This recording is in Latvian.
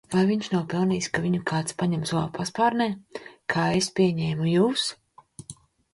Vai viņš nav pelnījis, ka viņu kāds ņem savā paspārnē, kā es pieņēmu jūs?